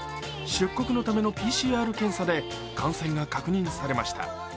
出国のためのＰＣＲ検査で感染が確認されました。